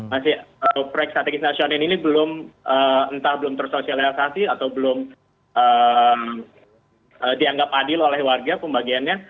masih proyek strategis nasional ini belum entah belum tersosialisasi atau belum dianggap adil oleh warga pembagiannya